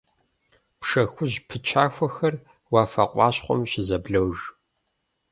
Пшэ хужь пычахуэхэр уафэ къащхъуэм щызэблож.